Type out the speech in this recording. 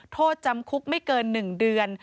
โทษจำคุกไม่เกิน๑เดือน